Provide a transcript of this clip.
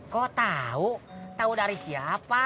kau tahu tahu dari siapa